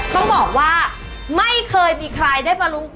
ต้องบอกว่าไม่เคยมีใครได้มารู้